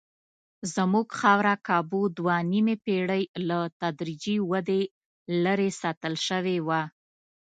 زموږ خاوره کابو دوه نیمې پېړۍ له تدریجي ودې لرې ساتل شوې وه.